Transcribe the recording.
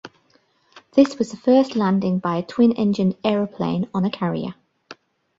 This was the first landing by a twin-engined aeroplane on a carrier.